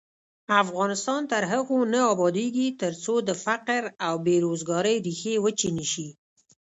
افغانستان تر هغو نه ابادیږي، ترڅو د فقر او بې روزګارۍ ریښې وچې نشي.